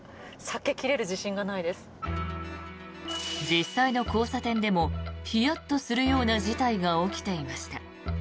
実際の交差点でもヒヤッとするような事態が起きていました。